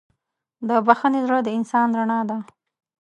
د بښنې زړه د انسان رڼا ده.